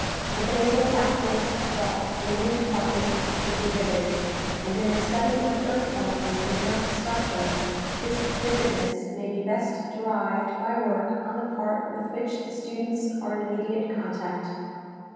The basal factors of thought in any department should be vivid, and in the study of earth forms and earth structure this vividness may be best derived by work on the part with which the students are in immediate contact.